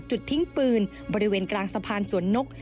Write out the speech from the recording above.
จุดทิ้งปืนบริเวณกลางสะพานสวนนก